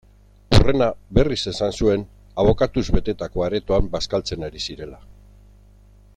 Hurrena, berriz esan zuen, abokatuz betetako aretoan bazkaltzen ari zirela.